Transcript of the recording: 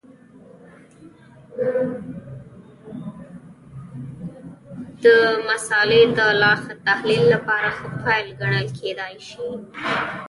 د مسألې د لا ښه تحلیل لپاره ښه پیل ګڼل کېدای شي.